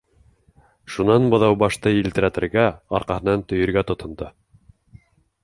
Шунан Быҙаубашты елтерәтергә, арҡаһын төйөргә тотондо.